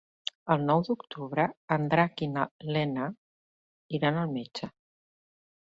El nou d'octubre en Drac i na Lena iran al metge.